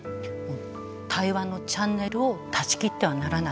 対話のチャンネルを断ち切ってはならない。